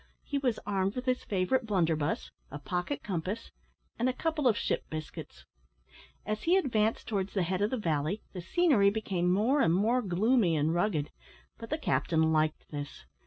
He was armed with his favourite blunderbuss, a pocket compass, and a couple of ship biscuits. As he advanced towards the head of the valley, the scenery became more and more gloomy and rugged, but the captain liked this.